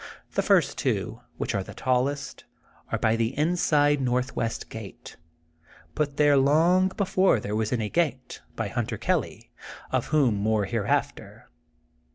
The first two, which are the tallest, are by the inside northwest gate, put there long before there was any gate, by Hunter Kelly, of whom more hereafter.